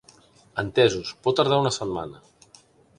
Entesos, pot tardar una setmana.